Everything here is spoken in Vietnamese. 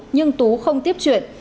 nhưng tú không tiếp chuyện